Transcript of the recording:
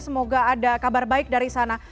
semoga ada kabar baik dari sana